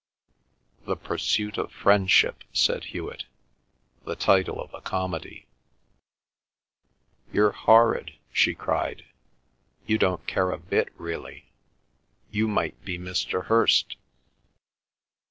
"The pursuit of Friendship," said Hewet. "The title of a comedy." "You're horrid," she cried. "You don't care a bit really. You might be Mr. Hirst."